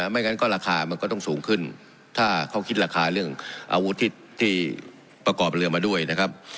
ไม่งั้นก็ราคามันก็ต้องสูงขึ้นถ้าเขาคิดราคาเรื่องอาวุธที่ประกอบเรือมาด้วยนะครับ